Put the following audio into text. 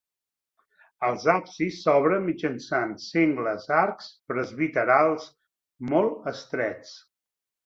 Els absis s'obren mitjançant sengles arcs presbiterals molt estrets.